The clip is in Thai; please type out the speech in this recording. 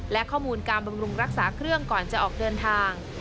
และข้อมูลการบำรุงรักษาเครื่องก่อนจะออกเดินทาง